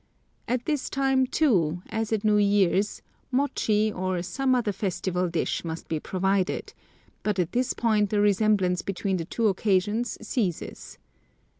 At this time, too, as at New Year's, mochi or some other festival dish must be provided, but at this point the resemblance between the two occasions ceases.